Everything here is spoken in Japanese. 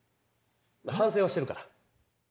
反省はしてるから。